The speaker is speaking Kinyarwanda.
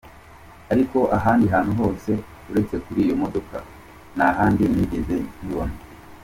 Ariko ahandi hantu hose uretse kuri iyo modoka, ntahandi nigeze nkibona.